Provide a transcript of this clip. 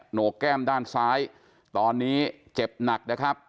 โหนกแก้มด้านซ้ายตอนนี้เจ็บหนักนะครับ